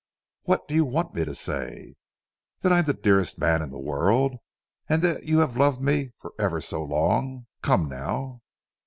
"What do you want me to say?" "That I am the dearest man in the world, and that you have loved me for ever so long. Come now?"